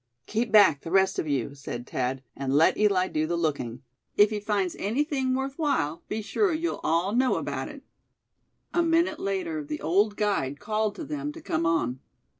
"Keep back, the rest of you," said Thad, "and let Eli do the looking. If he finds anything worth while, be sure you'll all know about it." A minute later the old guide called to them to come on.